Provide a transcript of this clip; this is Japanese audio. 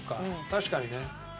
確かにね。